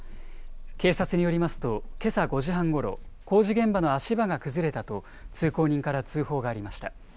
警察によりますとけさ５時半ごろ、工事現場の足場が崩れたと、通行人から通報がありました。